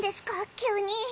急に。